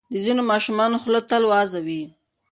د ځینو ماشومانو خوله تل وازه وي.